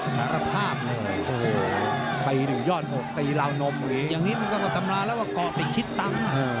สารภาพเลยโอ้โหไปอยู่ยอดหกตีราวนมอย่างงี้อย่างนี้มันก็ทำลายแล้วว่าก่อไปคิดต่ำ